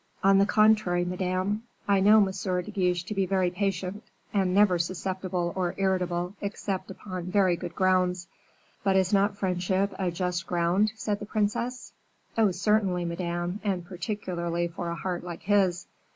"On the contrary, Madame, I know M. de Guiche to be very patient, and never susceptible or irritable except upon very good grounds." "But is not friendship a just ground?" said the princess. "Oh, certainly, Madame; and particularly for a heart like his."